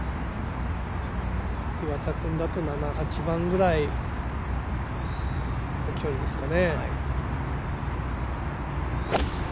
岩田君だと７、８番ぐらいの距離ですかね。